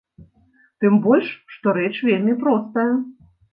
Тым больш, што рэч вельмі простая.